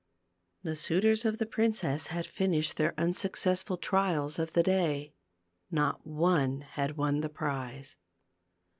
The suitors of the princess had finished their unsuccessful trials of the day ; not one had won the prize.